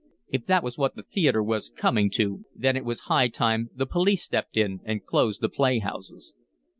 If that was what the theatre was coming to, then it was high time the police stepped in and closed the playhouses.